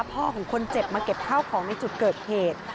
ของคนเจ็บมาเก็บข้าวของในจุดเกิดเหตุ